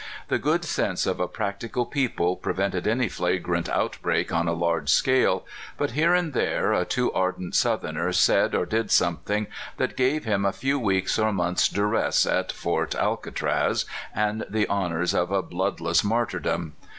The good 240 CALIFORNIA SKETCHES. sense of a practical people prevented any flagrant outbreak on a large scale, but here and there a too ardent Southerner said or did something that gave him a few weeks' or months' duress at Fort Alca traz, and the honors of a bloodless martyrdom.